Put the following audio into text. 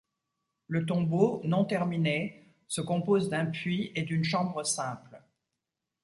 Le tombeau, non terminé, se compose d'un puits et d'une chambre simple.